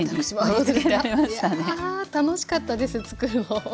いや楽しかったですつくるの。